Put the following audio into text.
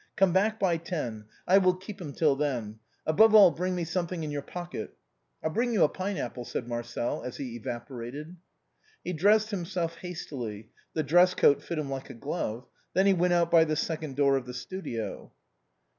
Come back by ten ; I will keep him till then. Above all, bring me some thing in your pocket." " I'll bring you a pine apple," said Marcel as he evapo rated. He dressed himself hastily ; the dress coat fitted him like a glove. Then he went out by the second door of the studio.